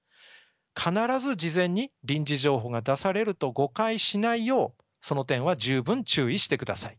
必ず事前に臨時情報が出されると誤解しないようその点は十分注意してください。